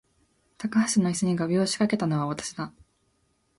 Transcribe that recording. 高橋の椅子に画びょうを仕掛けたのは私だ